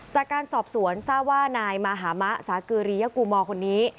จากการสอบสวนทราบว่านายมหามะสากรียกูมอร์คนนี้